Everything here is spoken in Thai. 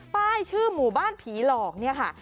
ป้ายชื่อหมู่บ้านผีหลอกเนี่ยค่ะ